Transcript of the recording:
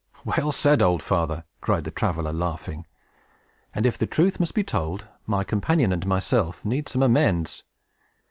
"Well said, old father!" cried the traveler, laughing; "and, if the truth must be told, my companion and myself need some amends.